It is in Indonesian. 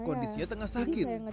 kondisinya tengah sakit